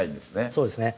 そうですね